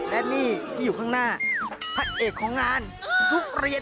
และนี่ที่อยู่ข้างหน้าพระเอกของงานทุกเรียน